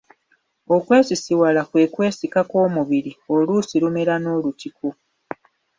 Okwesisiwala kwe kwesika kw’omubiri oluusi lumera n’olutiko.